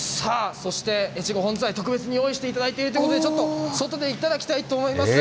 そして越後本ズワイ、特別に用意していただいているということで、ちょっと外で頂きたいと思います。